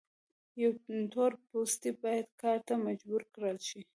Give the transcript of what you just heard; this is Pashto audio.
یو تور پوستی باید کار ته مجبور کړل شي.